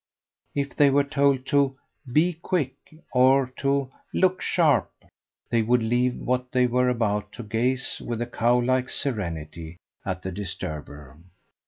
If they were told to "be quick" or to "look sharp," they would leave what they were about to gaze with a cow like serenity at the disturber.